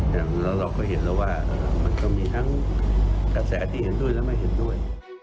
แต่แล้วเราก็เห็นแล้วว่ามันก็มีทั้งกระแสที่เห็นด้วยและไม่เห็นด้วย